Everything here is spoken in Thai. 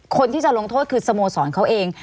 คนที่จะลงโทษคือสโมสรเขาเอง